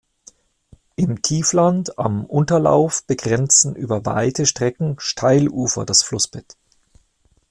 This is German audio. Im Tiefland am Unterlauf begrenzen über weite Strecken Steilufer das Flussbett.